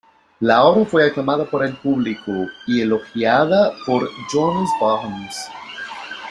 La obra fue aclamada por el público, y elogiada por Johannes Brahms.